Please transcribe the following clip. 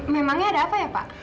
memangnya ada apa ya pak